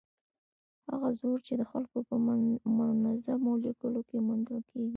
هغه زور چې د خلکو په منظمو لیکو کې موندل کېږي.